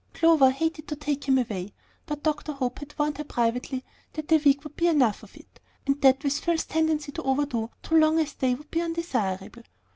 Clover hated to take him away; but Dr. Hope had warned her privately that a week would be enough of it, and that with Phil's tendency to overdo, too long a stay would be undesirable.